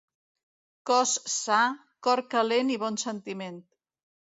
Cos sa, cor calent i bon sentiment.